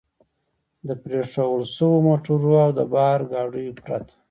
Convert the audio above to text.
د پرېښوول شوو موټرو او د بار ګاډیو پرته.